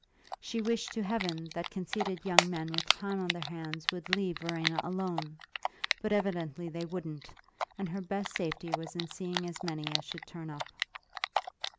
She wished to heaven that conceited young men with time on their hands would leave Verena alone; but evidently they wouldn't, and her best safety was in seeing as many as should turn up.